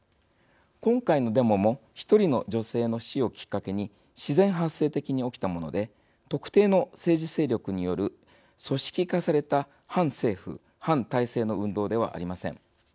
今回のデモも１人の女性の死をきっかけに自然発生的に起きたもので特定の政治勢力による組織化された反政府反体制の運動ではありません。